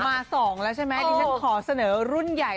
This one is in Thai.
มา๒แล้วใช่ไหมที่ฉันขอเสนอรุ่นใหญ่